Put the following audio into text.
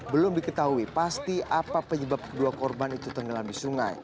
belum diketahui pasti apa penyebab kedua korban itu tenggelam di sungai